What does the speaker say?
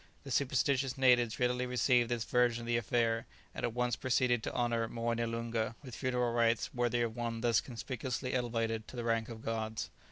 The superstitious natives readily received this version of the affair, and at once proceeded to honour Moené Loonga with funeral rites worthy of one thus conspicuously elevated to the rank of the gods.